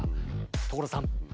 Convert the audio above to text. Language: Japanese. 所さん！